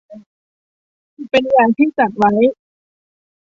เป็นอย่างที่จัดไว้